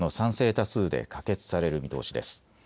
多数で可決される見通しです。